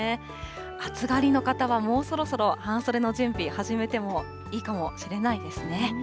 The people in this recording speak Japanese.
暑がりの方はもうそろそろ半袖の準備始めてもいいかもしれないですね。